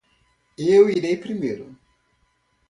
Eu irei primeiro.